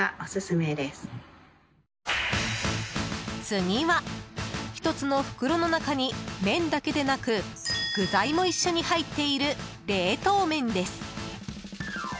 次は、１つの袋の中に麺だけでなく具材も一緒に入っている冷凍麺です。